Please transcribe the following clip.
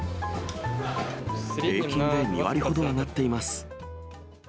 平均で２割ほど上がっています。